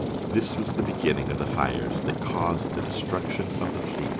This was the beginning of the fires that caused the destruc tion of the fleet.